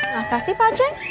masa sih pak aceh